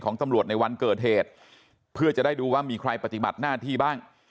ตำรวจในวันเกิดเหตุเพื่อจะได้ดูว่ามีใครปฏิบัติหน้าที่บ้าง